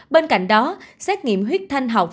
bên cạnh đó xét nghiệm huyết thanh học